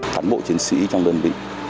thán bộ chiến sĩ trong đơn vị